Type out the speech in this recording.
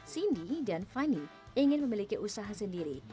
cindy dan fanny ingin memiliki usaha sendiri